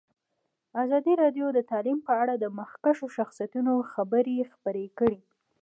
ازادي راډیو د تعلیم په اړه د مخکښو شخصیتونو خبرې خپرې کړي.